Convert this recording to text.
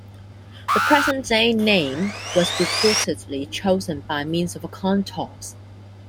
The present day name was reportedly chosen by means of a coin toss.